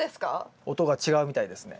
音が違うみたいですね。